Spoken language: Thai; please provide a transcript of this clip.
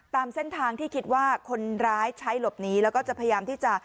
ตามเส้นทางที่คิดว่าคนร้ายใช้หลบหนีแล้วก็จะพยายามที่จะ